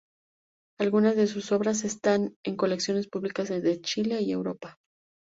Algunas de sus obras están en colecciones públicas de Chile y Europa.